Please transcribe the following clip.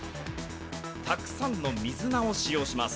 たくさんの水菜を使用します。